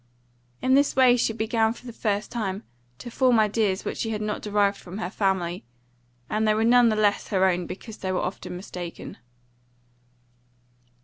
In this way she began for the first time to form ideas which she had not derived from her family, and they were none the less her own because they were often mistaken.